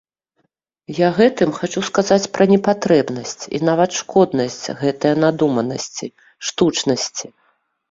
Я гэтым хачу сказаць пра непатрэбнасць і нават шкоднасць гэтакае надуманасці, штучнасці.